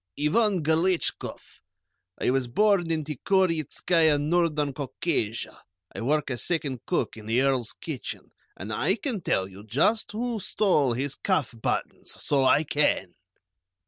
"Ivan Galetchkoff. I was born in Tikhorietzkaia, Northern Caucasia, I work as second cook in the Earl's kitchen, and I can tell you just who stole his cuff buttons; so I can!"